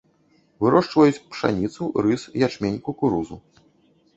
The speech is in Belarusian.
Вырошчваюць пшаніцу, рыс, ячмень, кукурузу.